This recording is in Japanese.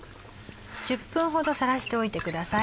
１０分ほどさらしておいてください。